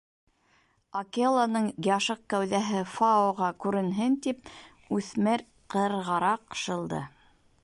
Акеланың яшыҡ кәүҙәһе Фаоға күренһен тип үҫмер ҡырғараҡ шылды.